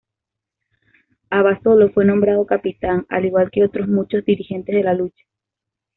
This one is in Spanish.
Abasolo fue nombrado capitán, al igual que otros muchos dirigentes de la lucha.